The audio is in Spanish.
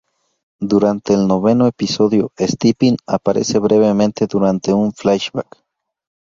Durante el noveno episodio Stephen aparece brevemente durante un flashback.